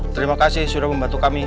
terima kasih sudah membantu kami